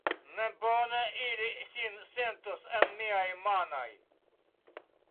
Ne bone ili sin sentus en miaj manoj!